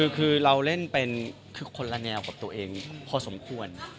คือเราเล่นเป็นคือคนละแนวกับตัวเองพอสมควร